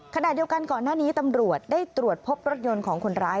ขณะเดียวกันก่อนหน้านี้ตำรวจได้ตรวจพบรถยนต์ของคนร้าย